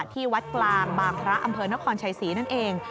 ที่วัดกลางบางพระอำเภอนครชัยศรีนั่นเอง